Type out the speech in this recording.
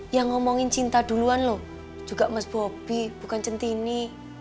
yang ngomongin cinta duluan loh juga mas bobby bukan cinti ini